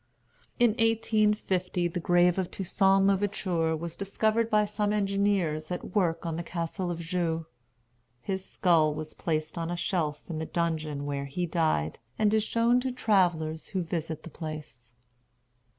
In 1850 the grave of Toussaint l'Ouverture was discovered by some engineers at work on the Castle of Joux. His skull was placed on a shelf in the dungeon where he died, and is shown to travellers who visit the place.